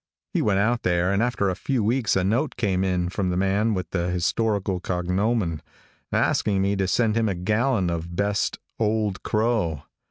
He went out there, and after a few weeks a note came in from the man with the historical cognomen, asking me to send him a gallon of best Old Crow.